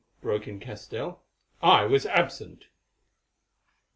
broke in Castell. "I was absent."